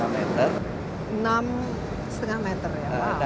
enam lima meter ya